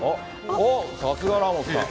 おっ、さすがラモスさん。